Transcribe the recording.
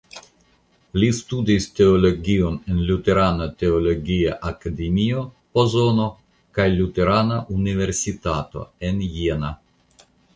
Li studis teologion en Luterana Teologia Akademio (Pozono) kaj luterana universitato en Jena.